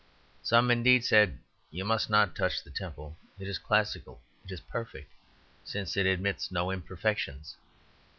Some, indeed, said, "You must not touch the temple; it is classical; it is perfect, since it admits no imperfections."